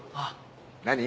何？